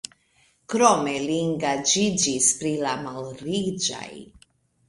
Krome li engaĝiĝis pri la malriĝaj.